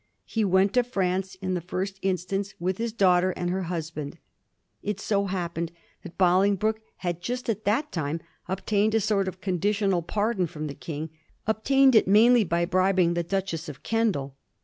He went to France in the first instance with his daughter and her husband. It 80 happened that Bolingbroke had just at that time obtained a sort of conditional pardon from the King ; obtained it mainly by bribing the Duchess of Kendal.